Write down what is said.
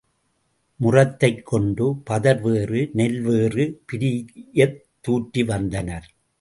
முறத்தைக்கொண்டு பதர் வேறு, நெல் வேறு பிரியத் துாற்றி வந்தனர்.